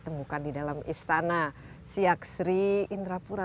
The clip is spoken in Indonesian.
temukan di dalam istana siaksri indrapura